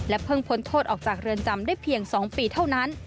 เพิ่งพ้นโทษออกจากเรือนจำได้เพียง๒ปีเท่านั้น